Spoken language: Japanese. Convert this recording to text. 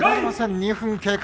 ２分経過。